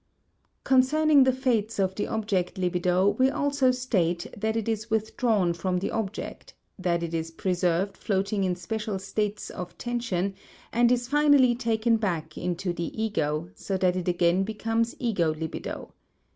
Concerning the fates of the object libido we also state that it is withdrawn from the object, that it is preserved floating in special states of tension and is finally taken back into the ego, so that it again becomes ego libido.